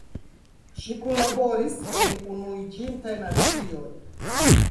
Ŝi kunlaboris en Unuiĝintaj Nacioj.